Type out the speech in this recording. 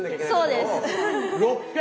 そうです。